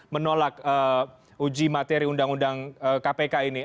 menolak uji materi undang undang kpk ini